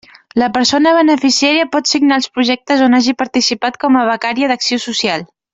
La persona beneficiària pot signar els projectes on hagi participat com a becària d'acció social.